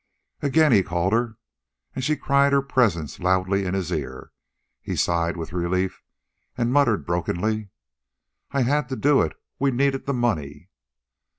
Again he called her, and she cried her presence loudly in his ear. He sighed with relief and muttered brokenly: "I had to do it.... We needed the money."